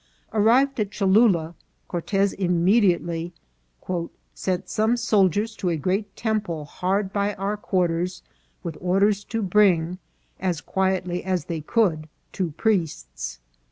Arrived at Cholula, Cortez immediately " sent some soldiers to a great temple hard by our quarters, with or ders to bring, as quietly as they could, two priests."